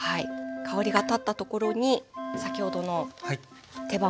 香りが立ったところに先ほどの手羽元いきます。